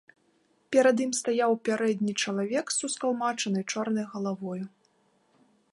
Перад ім стаяў у пярэдні чалавек з ускалмачанай чорнай галавою.